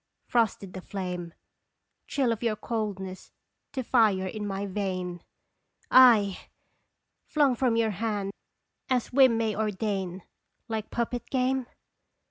Frosted the flame, Chill of your coldness to fire in my vein !// Flung from your hand as whim may ordain. Like puppet game?